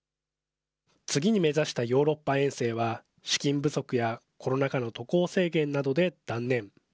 次に目指したヨーロッパ遠征は、資金不足や、コロナ禍の渡航制限などで断念。